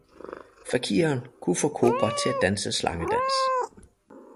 Fakireren kunne få kobra til at danse slangedans